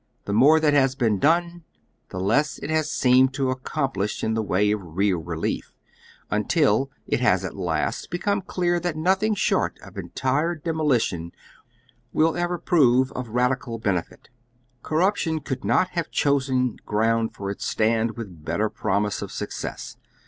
The more that has been done, the less it has seemed to accomplish in the way of real relief, until it has at last become clear that nothing short of entire demolition will ever prove of I'ad ical benefit. Corruption could not have chosen ground for its stand with better promise of success.